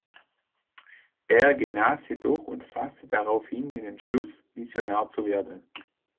Er genas jedoch und fasste daraufhin den Entschluss, Missionar zu werden.